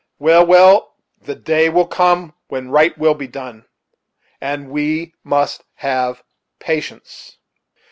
Well, well the day will come when right will be done; and we must have patience."